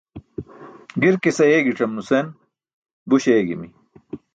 Girkis ayeegicam nusen, buś eegimi.